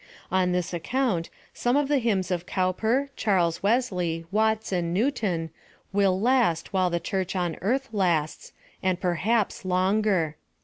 On this account some of the hymns of Cowper, Charles Wesley, Watts, and Newton, will last while the church on earth lasts, and perhaps longer.